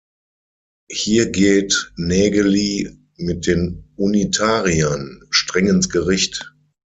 Hier geht Naegeli mit den Unitariern „streng ins Gericht“.